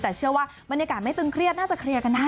แต่เชื่อว่าบรรยากาศไม่ตึงเครียดน่าจะเคลียร์กันได้